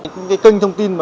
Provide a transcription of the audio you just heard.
cái kênh thông tin